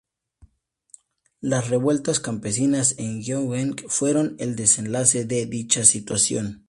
Las revueltas campesinas en Gyeongsang fueron el desenlace de dicha situación.